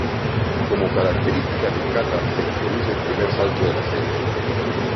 Como característica del kata, se introduce el primer salto de la serie.